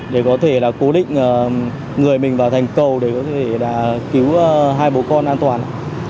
để có thể là cố định người mình vào thành cầu để có thể cứu hai bố con an toàn